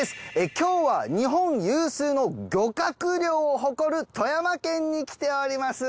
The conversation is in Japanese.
今日は日本有数の漁獲量を誇る富山県に来ております。